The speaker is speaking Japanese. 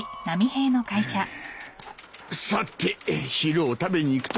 さて昼を食べに行くとするか。